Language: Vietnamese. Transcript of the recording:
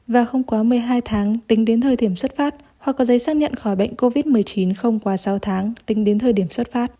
và không quá một mươi hai tháng tính đến thời điểm xuất phát hoặc có giấy xác nhận khỏi bệnh covid một mươi chín không quá sáu tháng tính đến thời điểm xuất phát